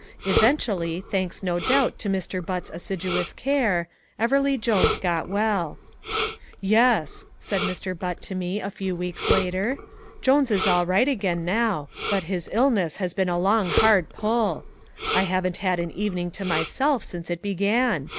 '" Eventually, thanks no doubt to Mr. Butt's assiduous care, Everleigh Jones got well. "Yes," said Mr. Butt to me a few weeks later, "Jones is all right again now, but his illness has been a long hard pull. I haven't had an evening to myself since it began.